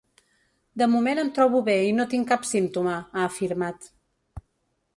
De moment em trobo bé i no tinc cap símptoma, ha afirmat.